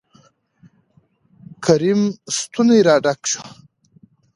کريم ستونى را ډک شو.